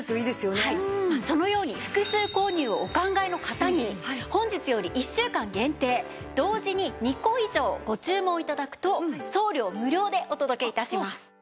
そのように複数購入をお考えの方に本日より１週間限定同時に２個以上ご注文頂くと送料無料でお届け致します。